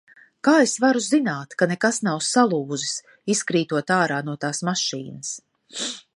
Kā es varu zināt, ka nekas nav salūzis, izkrītot ārā no tās mašīnas?